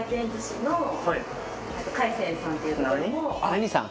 何さん？